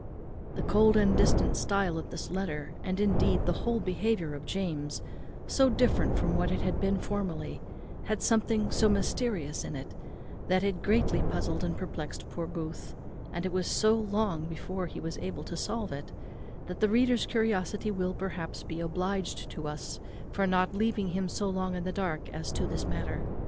The cold and distant stile of this letter, and, indeed, the whole behaviour of James, so different from what it had been formerly, had something so mysterious in it, that it greatly puzzled and perplexed poor Booth; and it was so long before he was able to solve it, that the reader's curiosity will, perhaps, be obliged to us for not leaving him so long in the dark as to this matter.